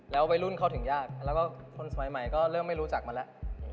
วัยรุ่นเข้าถึงยากแล้วก็คนสมัยใหม่ก็เริ่มไม่รู้จักมาแล้ว